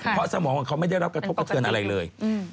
เพราะสมองของเขาไม่ได้รับกระทบกระเทือนอะไรเลย